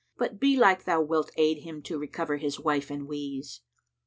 But belike thou wilt aid him to recover his wife and wees."